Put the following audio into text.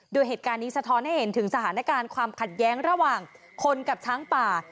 โดยเหตุการณ์นี้สะท้อนให้เห็นถึงสถานการณ์ความขัดแย้งระหว่างคนกับช้างป่า